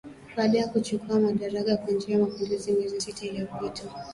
baada ya kuchukua madaraka kwa njia ya mapinduzi miezi sita iliyopita